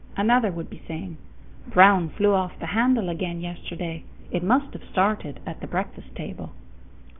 Another would be saying, "Brown flew off the handle again yesterday; it must have started at the breakfast table."